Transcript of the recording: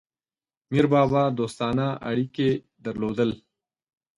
میربابا دوستانه اړیکي درلودل.